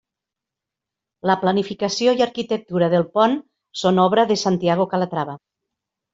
La planificació i arquitectura del pont són obra de Santiago Calatrava.